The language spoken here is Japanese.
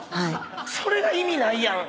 それが意味ないやん！